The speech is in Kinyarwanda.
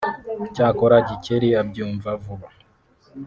Cyakora Gikeli abyumva vuba